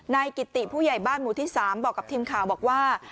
นายกิติผู้ใหญ่บ้านหมู่ที่๓บอกกับทีมข่าวบอกว่า